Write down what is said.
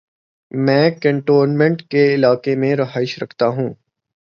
میں کینٹونمینٹ کے علاقے میں رہائش رکھتا ہوں۔